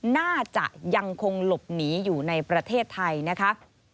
น่าจะยังคงหลบหนีอยู่ในประเทศไทยนะคะ